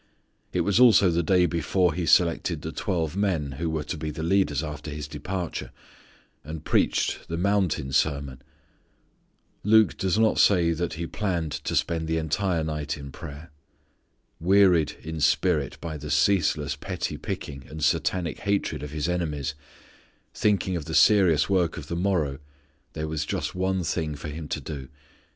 It was also the day before He selected the twelve men who were to be the leaders after His departure, and preached the mountain sermon. Luke does not say that He planned to spend the entire night in prayer. Wearied in spirit by the ceaseless petty picking and Satanic hatred of His enemies, thinking of the serious work of the morrow, there was just one thing for Him to do.